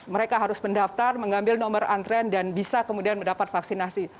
mereka harus mendaftar mengambil nomor antrean dan bisa kemudian mendapat vaksinasi